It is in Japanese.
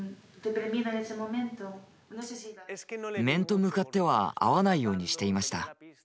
面と向かっては会わないようにしていました。